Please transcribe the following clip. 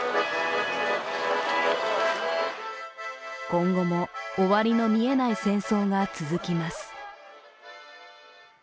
今後も、終わりの見えない戦争が続きます。